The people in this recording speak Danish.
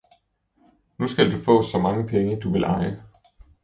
Nu skal du få så mange penge, du vil eje!